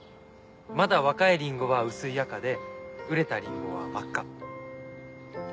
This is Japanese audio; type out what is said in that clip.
まだ若いリンゴは薄い赤で熟れたリンゴは真っ赤。